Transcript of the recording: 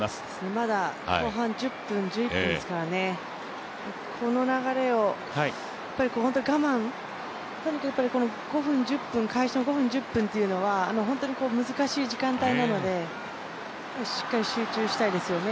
まだ後半１１分ですからね、この流れを、本当に我慢、とにかく開始の５分、１０分というのは難しい時間帯なのでしっかり集中したいですよね。